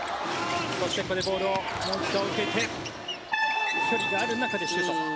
そしてここでボールをもう一度受けて距離がある中でシュート。